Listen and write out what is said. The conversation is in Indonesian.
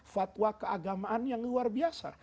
fatwa keagamaan yang luar biasa